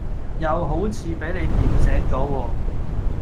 又好似俾你點醒左喎